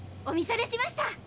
お見それしました！